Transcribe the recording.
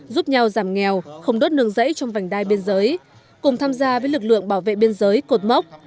giúp nhau giảm nghèo không đốt nương rẫy trong vành đai biên giới cùng tham gia với lực lượng bảo vệ biên giới cột mốc